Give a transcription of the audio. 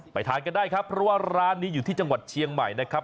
ทานกันได้ครับเพราะว่าร้านนี้อยู่ที่จังหวัดเชียงใหม่นะครับ